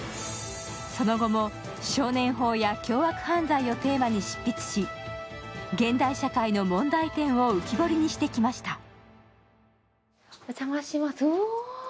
その後も少年法や凶悪犯罪をテーマに執筆し現代社会の問題点を浮き彫りにしてきました。